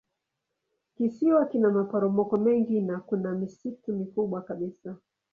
Kisiwa kina maporomoko mengi na kuna misitu mikubwa kabisa.